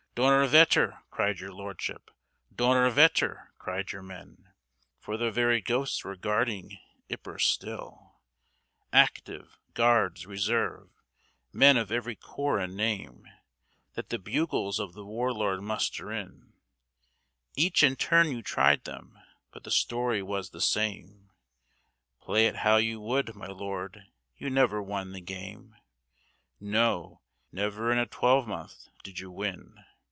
"Donnerwetter!" cried your Lordship, "Donnerwetter!" cried your men, For their very ghosts were guarding Ypres still. Active, Guards, Reserve men of every corps and name That the bugles of the War Lord muster in, Each in turn you tried them, but the story was the same; Play it how you would, my Lord, you never won the game, No, never in a twelvemonth did you win.